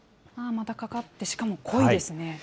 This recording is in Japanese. ああ、またかかって、しかも濃いですね。